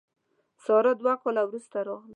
ساره دوه کاله وروسته راغله.